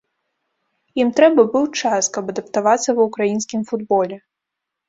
Ім трэба быў час, каб адаптавацца ва ўкраінскім футболе.